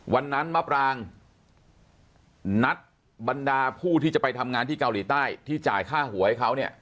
มะปรางนัดบรรดาผู้ที่จะไปทำงานที่เกาหลีใต้ที่จ่ายค่าหัวให้เขาเนี่ย